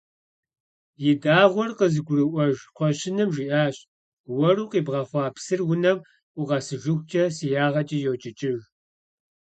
И дагъуэр къызыгурыӀуэж кхъуэщыным жиӏащ: «Уэру къибгъэхъуа псыр унэм укъэсыжыхукӀэ си ягъэкӀэ йокӀыкӀыж».